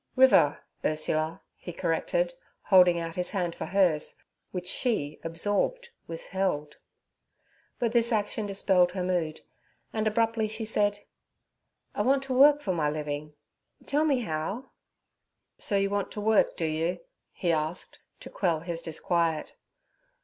'River, Ursula' he corrected, holding out his hand for hers, which she, absorbed, withheld. But this action dispelled her mood, and abruptly she said: 'I want to work for my living; tell me how?' 'So you want to work, do you?' he asked, to quell his disquiet.